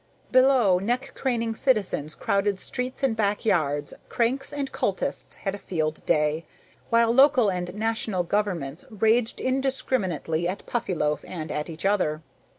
Below, neck craning citizens crowded streets and back yards, cranks and cultists had a field day, while local and national governments raged indiscriminately at Puffyloaf and at each other.